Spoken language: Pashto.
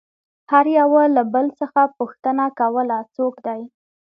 هر يوه له بل څخه پوښتنه كوله څوك دى؟